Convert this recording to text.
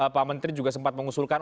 pak menteri juga sempat mengusulkan